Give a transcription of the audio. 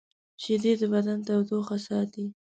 شیدې د بدن تودوخه ساتي